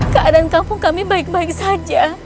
keadaan kampung kami baik baik saja